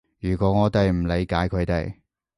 如果我哋唔理解佢哋